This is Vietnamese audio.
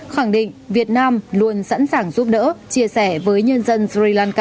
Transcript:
khẳng định việt nam luôn sẵn sàng giúp đỡ chia sẻ với nhân dân suriyanka